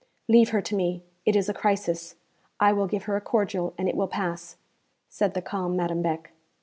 'Leave her to me; it is a crisis. I will give her a cordial, and it will pass,' said the calm Madame Beck.